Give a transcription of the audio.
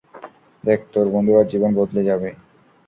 দেখ, তোর বন্ধুর জীবন বদলে যাবে।